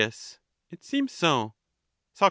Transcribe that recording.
It seems so. Soc.